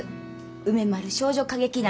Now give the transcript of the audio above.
梅丸少女歌劇団